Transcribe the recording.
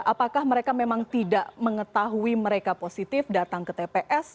apakah mereka memang tidak mengetahui mereka positif datang ke tps